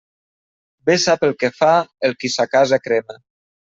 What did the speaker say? Bé sap el que fa el qui sa casa crema.